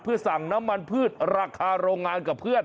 สั่งน้ำมันพืชราคาโรงงานกับเพื่อน